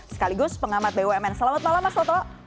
sekaligus pengamat bumn selamat malam mas toto